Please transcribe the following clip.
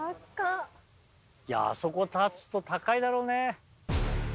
あそこ立つと高いだろうね。